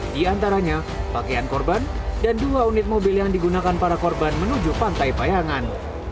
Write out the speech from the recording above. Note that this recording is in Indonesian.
di antaranya pakaian korban dan dua unit mobil yang digunakan para korban menuju pantai payangan